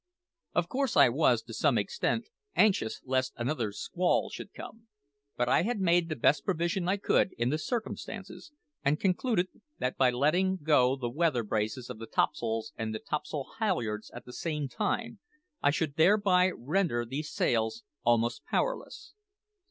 Of course I was, to some extent, anxious lest another squall should come; but I made the best provision I could in the circumstances, and concluded that by letting go the weather braces of the topsails and the topsail halyards at the same time, I should thereby render these sails almost powerless.